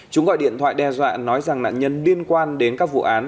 chúng gọi điện thoại đe dọa nói rằng nạn nhân liên quan đến các vụ án